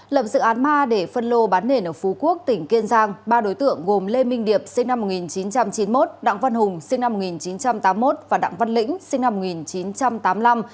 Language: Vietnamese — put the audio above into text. lập dự án ma để phân lô bán nền ở phú quốc tỉnh kiên giang ba đối tượng gồm lê minh điệp sinh năm một nghìn chín trăm chín mươi một đặng văn hùng sinh năm một nghìn chín trăm tám mươi một và đặng văn lĩnh sinh năm một nghìn chín trăm tám mươi năm